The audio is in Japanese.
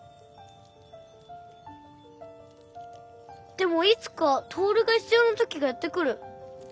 でもいつかトオルが必要な時がやって来る。